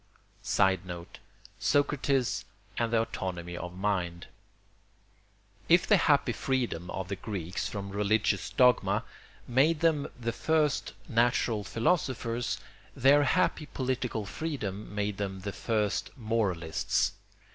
[Sidenote: Socrates and the autonomy of mind.] If the happy freedom of the Greeks from religious dogma made them the first natural philosophers, their happy political freedom made them the first moralists.